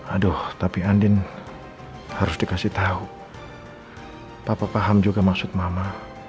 aduh tapi andin harus dikasih tahu papa paham juga maksud mama